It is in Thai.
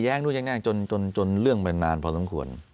แย้งนู่นง่างจนเรื่องไปนานพอสมควร